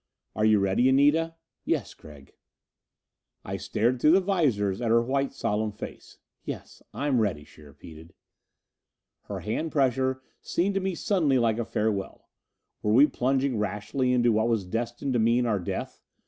"Are you ready, Anita?" "Yes, Gregg." I stared through the visors at her white, solemn face. "Yes, I'm ready," she repeated. Her hand pressure seemed to me suddenly like a farewell. Were we plunging rashly into what was destined to mean our death?